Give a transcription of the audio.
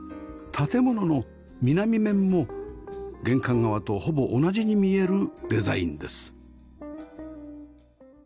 建物の南面も玄関側とほぼ同じに見えるデザインです